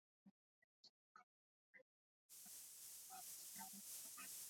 tutaingia kwenye historia ya ujenzi wa meli ya titanic